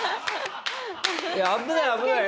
「危ない危ない！